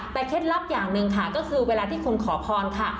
แต่เคล็ดลับอย่างหนึ่งค่ะก็คือเวลาที่คุณขอพรค่ะ